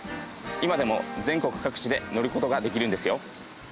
今でも全国各地で乗ることができるんですよ